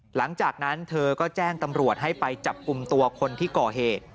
หลังจากนั้นเธอก็แจ้งตำรวจให้ไปจับกลุ่มตัวคนที่ก่อเหตุ